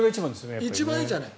一番いいじゃない。